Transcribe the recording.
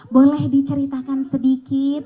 boleh diceritakan sedikit